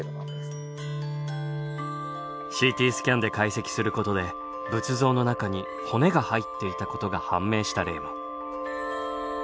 ＣＴスキャンで解析することで仏像の中に骨が入っていたことが判明した例も。